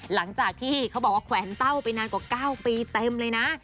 หลังจากที่เขาบอกว่าแขวนเต้าไปนานกว่า๙ปีเต็มเลยนะ